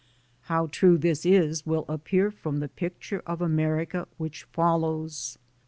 How true this is will appear from the picture of America which follows.